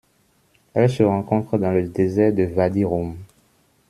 Elle se rencontre dans le désert de Wadi Rum.